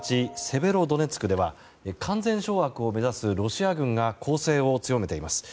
セベロドネツクでは完全掌握を目指すロシア軍が攻勢を強めています。